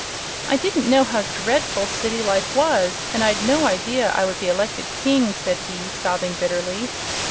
"I didn't know how dreadful city life was, and I'd no idea I would be elected King," said he, sobbing bitterly.